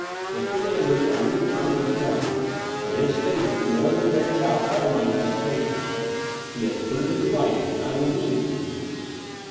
Mr. Manders only returned this morning; and his statement more than bears out all my anticipations. He has put it into writing ; and I will read it to you."